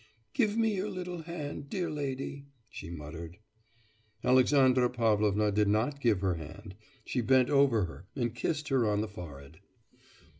'Give me your little hand, dear lady,' she muttered. Alexandra Pavlovna did not give her hand; she bent over her and kissed her on the forehead.